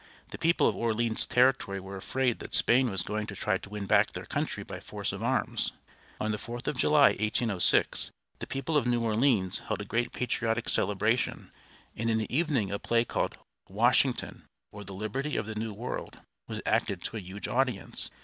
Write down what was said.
The people of Orleans Territory were afraid that Spain was going to try to win back their country by force of arms. On the 4th of July, 1806, the people of New Orleans held a great patriotic celebration, and in the evening a play called, "Washington; or the Liberty of the New World," was acted to a huge audience.